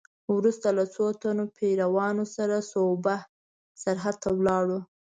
وروسته له څو تنو پیروانو سره صوبه سرحد ته ولاړ.